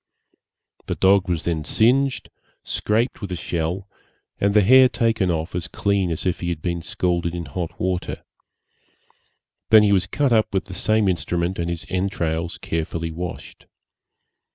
The dog was then singed, scraped with a shell, and the hair taken off as clean as if he had been scalded in hot water. He was then cut up with the same instrument, and his entrails carefully washed.